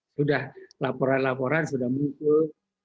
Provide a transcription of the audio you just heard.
sudah laporan laporan sudah muncul